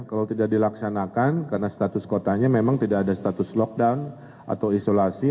kalau tidak dilaksanakan karena status kotanya memang tidak ada status lockdown atau isolasi